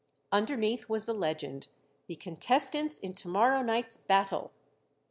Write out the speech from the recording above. Underneath was the legend, "The Contestants in Tomorrow Night's Battle."